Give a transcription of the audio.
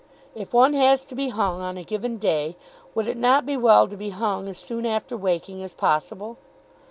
If one has to be hung on a given day, would it not be well to be hung as soon after waking as possible?